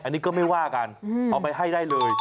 อันนี้ก็ไม่ว่ากันเอาไปให้ได้เลย